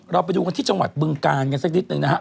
เราไปดูกันที่จังหวัดบึงกาลกันสักนิดนึงนะครับ